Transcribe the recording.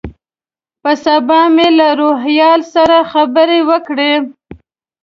په سبا مې له روهیال سره خبرې وکړې.